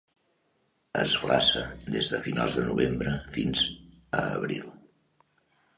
Es glaça des de finals de novembre fins a abril.